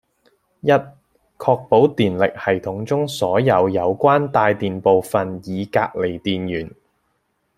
（一）確保電力系統中所有有關帶電部分已隔離電源